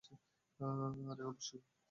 আরে, অবশ্যই।